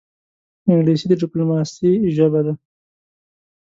انګلیسي د ډیپلوماسې ژبه ده